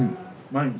毎日。